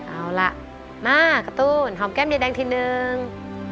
เอาล่ะมาการ์ตูนหอมแก้มยายแดงทีนึง